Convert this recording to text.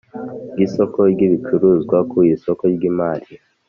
Ry isoko ry ibicuruzwa ku isoko ry imari